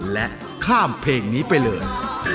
และข้ามเพลงนี้ไปเลย